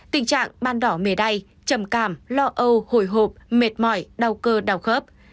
tình trạng ban đỏ mề đay trầm cảm lo âu hồi hộp mệt mỏi đau cơ đau khớp